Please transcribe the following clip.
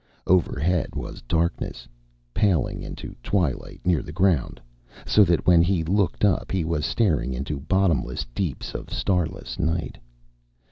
Overhead was darkness, paling into twilight near the ground, so that when he looked up he was staring into bottomless deeps of starless night.